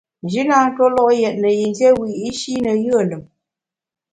Nji na ntue lo’ yètne yin dié wiyi’shi ne yùe lùm.